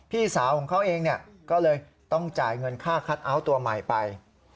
พี่สาวของเขาเองก็เลยต้องจ่ายเงินค่าคัทเอาท์ตัวใหม่ไป